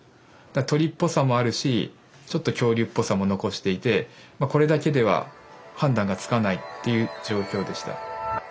鳥っぽさもあるしちょっと恐竜っぽさも残していてこれだけでは判断がつかないっていう状況でした。